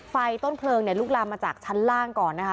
ไฟต้นเพลิงเนี่ยลุกลามมาจากชั้นล่างก่อนนะคะ